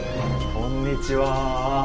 こんにちは。